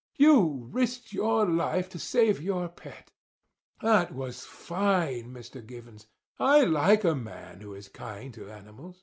You risked your life to save your pet! That was fine, Mr. Givens. I like a man who is kind to animals."